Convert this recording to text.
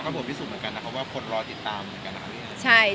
แต่ว่าคำผลพิสูจน์เหมือนกันนะคะเพราะว่าคนรอติดตามเหมือนกันนะคะ